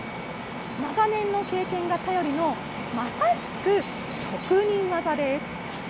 長年の経験が頼りの、まさしく職人技です。